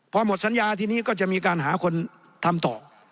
พอหมดสัญญาทีนี้ก็จะมีการหาคนทำต่อ